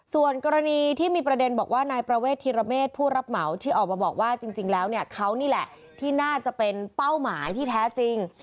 ส่วนกรณีที่มีประเด็นบอกว่านายประเวทธิรเมษผู้รับเหมาที่ออกมาบอกว่าจริงแล้วเนี่ยเขานี่แหละที่น่าจะเป็นเป้าหมายที่แท้จริง